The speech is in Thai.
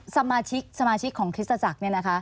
สมาชิกของคริสตจักร